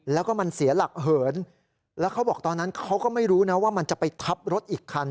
แล้วก็มันเสียหลักเหินแล้วเขาบอกตอนนั้นเขาก็ไม่รู้นะว่ามันจะไปทับรถอีกคัน